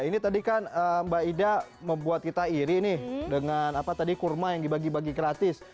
ini tadi kan mbak ida membuat kita iri nih dengan apa tadi kurma yang dibagi bagi gratis